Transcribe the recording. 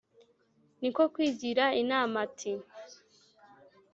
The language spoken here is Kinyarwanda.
Ni ko kwigira inama ati: